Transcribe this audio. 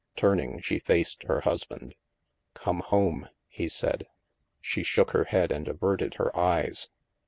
Turning, she faced her husband. " Come home," he said. She shook her head and averted her eyes.